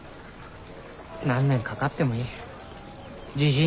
何年かかってもいい。